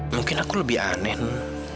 mungkin aku lebih aneh